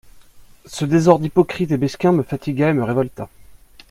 Ce désordre hypocrite et mesquin me fatigua et me révolta.